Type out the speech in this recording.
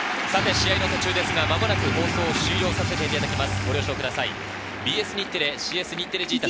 試合の途中ですが間もなく試合を終了させていただきます。